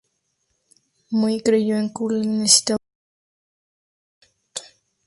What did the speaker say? Moe creyó que Curly necesitaba casarse para mejorar su salud.